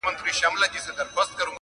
دا د زړه ورو مورچل مه ورانوی٫